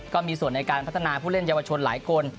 ก็มีส่วนในการพัฒนาผู้เล่นเยาวชนหลายคน